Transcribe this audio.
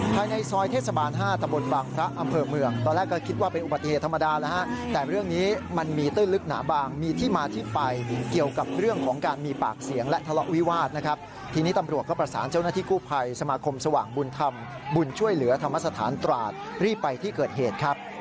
ภายในซอยเทศบาล๕ตะบนบางพระอำเภอเมืองตอนแรกก็คิดว่าเป็นอุบัติเหตุธรรมดาแล้วฮะแต่เรื่องนี้มันมีตื้นลึกหนาบางมีที่มาที่ไปเกี่ยวกับเรื่องของการมีปากเสียงและทะเลาะวิวาสนะครับทีนี้ตำรวจก็ประสานเจ้าหน้าที่กู้ภัยสมาคมสว่างบุญธรรมบุญช่วยเหลือธรรมสถานตราดรีบไปที่เกิดเหตุครับ